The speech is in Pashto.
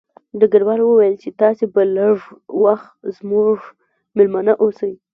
ډګروال وویل چې تاسې به لږ وخت زموږ مېلمانه اوسئ